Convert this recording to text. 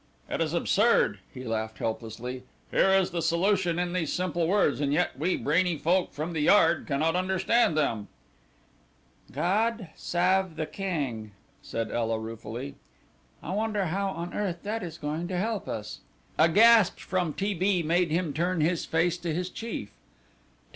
"It is absurd," he laughed helplessly. "Here is the solution in these simple words, and yet we brainy folk from the Yard cannot understand them!" "God sav the Keng!" said Ela ruefully. "I wonder how on earth that is going to help us." A gasp from T. B. made him turn his face to his chief.